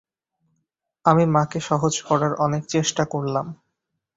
আমি মাকে সহজ করার অনেক চেষ্টা করলাম।